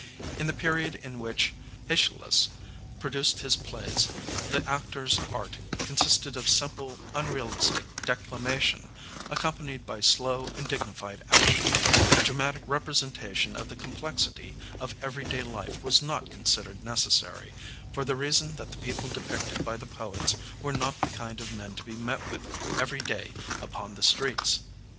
In the period in which ^Bschylus produced his plays the actor's art consisted of simple, unrealistic decla mation, accompanied by slow and dignified action; a dramatic representation of the complexity of every day life was not considered necessary, for the reason that the people depicted by the poets were not the kind of men to be met with every day upon Digitized by Google 474 EVOLUTION OF THE ACTOR the streets.